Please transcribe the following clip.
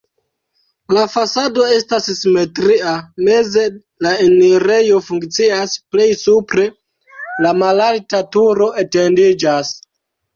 La fasado estas simetria, meze la enirejo funkcias, plej supre la malalta turo etendiĝas.